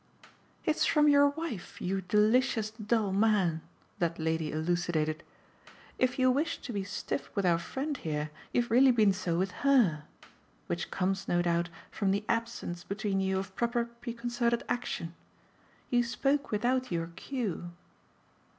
"It's from your wife, you delicious dull man," that lady elucidated. "If you wished to be stiff with our friend here you've really been so with HER; which comes, no doubt, from the absence between you of proper preconcerted action. You spoke without your cue."